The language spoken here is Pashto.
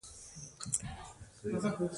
د غور منارې جمعې د غوري سلطنت نښه ده